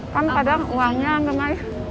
kan kadang uangnya enggak maik